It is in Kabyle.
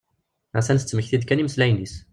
A-t-an tettmekti-d kan imeslayen-is.